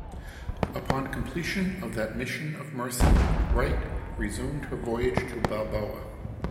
Upon completion of that mission of mercy, "Wright" resumed her voyage to Balboa.